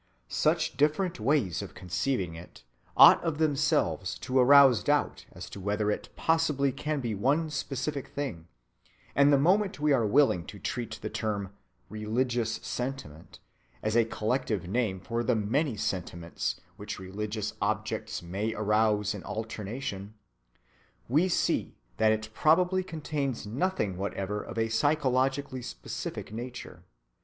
Such different ways of conceiving it ought of themselves to arouse doubt as to whether it possibly can be one specific thing; and the moment we are willing to treat the term "religious sentiment" as a collective name for the many sentiments which religious objects may arouse in alternation, we see that it probably contains nothing whatever of a psychologically specific nature.